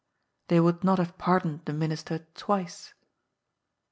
They would not have pardoned the Min ister twice.